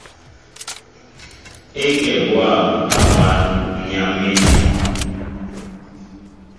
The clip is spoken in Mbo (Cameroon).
É kɛ bwâm a mwǎn , ǹ yam̀ín.